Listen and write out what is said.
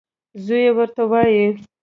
زوی یې ورته وايي: